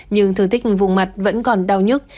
nhưng thương tích vùng mặt vẫn còn đau nhất